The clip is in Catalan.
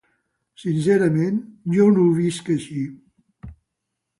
Sincerament, jo no ho visc així.